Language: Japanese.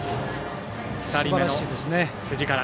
２人目の辻から。